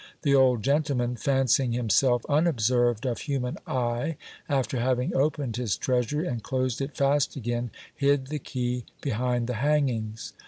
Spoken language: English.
The old gentleman, fancying himself unobserved of human eye, after having opened his treasury and closed it fast again, hid the key behind the hangings.